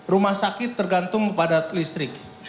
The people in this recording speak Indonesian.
rumah sakit tergantung pada listrik